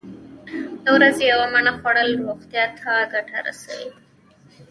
د ورځې یوه مڼه خوړل روغتیا ته ګټوره ده.